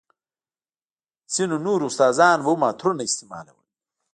ځينو نورو استادانو به هم عطرونه استعمالول.